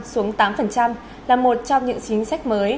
xuống tám là một trong những chính sách mới